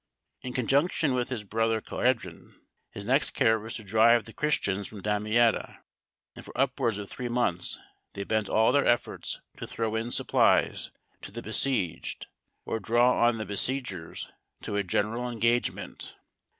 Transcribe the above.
In conjunction with his brother Cohreddin, his next care was to drive the Christians from Damietta, and for upwards of three months they bent all their efforts to throw in supplies to the besieged, or draw on the besiegers to a general engagement.